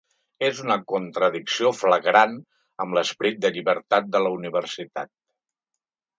És una contradicció flagrant amb l’esperit de llibertat de la universitat.